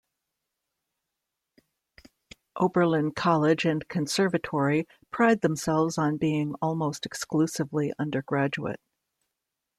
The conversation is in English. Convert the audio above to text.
Oberlin College and Conservatory pride themselves on being almost exclusively undergraduate.